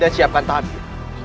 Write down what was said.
dan siapkan tabib